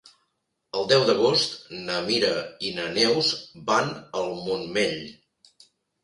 El deu d'agost na Mira i na Neus van al Montmell.